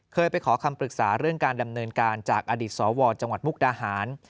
เคยไปขอคำปรึกษาเรื่องการดำเนินการจากอดีตสวจังหวัดมุกดาหาร